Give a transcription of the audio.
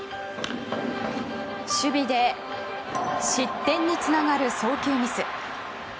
守備で失点につながる送球ミス。